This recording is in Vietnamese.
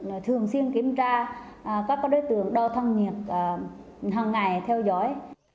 các trọng y tế thường xuyên kiểm tra các đối tượng đo thăng nghiệp hằng ngày theo dõi